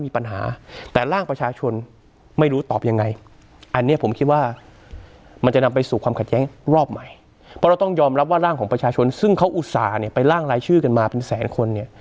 เพราะเราต้องยอมรับว่าร่างของประชาชนซึ่งเขาอุตส่าห์เนี่ยไปร่างรายชื่อกันมาเป็นแสนคนเนี่ย